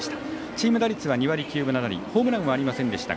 チーム打率が２割９分７厘ホームランはありませんでした。